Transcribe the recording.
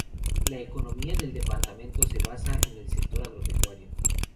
La economía del departamento se basa en el sector agropecuario.